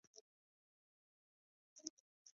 • سترګې د ټولو انسانانو ژوند یوه لازمي برخه ده.